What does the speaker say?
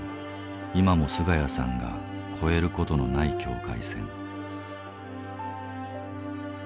今も菅家さんが越える事のない境界線。